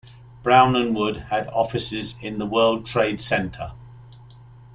Brown and Wood had offices in the World Trade Center.